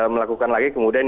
melakukan lagi kemudian